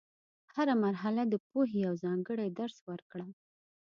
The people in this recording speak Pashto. هره مرحله د پوهې یو ځانګړی درس ورکړه.